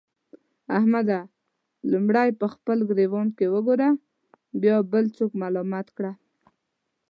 احمده! لومړی په خپل ګرېوان کې وګوره؛ بيا بل څوک ملامت کړه.